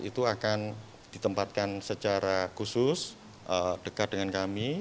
itu akan ditempatkan secara khusus dekat dengan kami